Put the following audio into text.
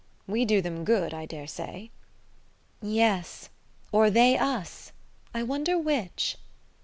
"We do them good, I daresay." "Yes or they us. I wonder which?"